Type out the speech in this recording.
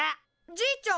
じいちゃん！